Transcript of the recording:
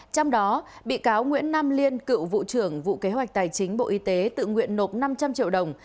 trong đó bị cáo nguyễn nam liên cựu vụ trưởng vụ kế hoạch tài chính bộ y tế tự nguyện nộp năm trăm linh triệu đồng